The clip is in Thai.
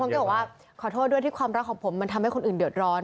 ก็บอกว่าขอโทษด้วยที่ความรักของผมมันทำให้คนอื่นเดือดร้อน